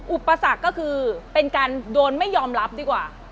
อุปสรรคก็คือเป็นการโดนไม่ยอมรับดีกว่า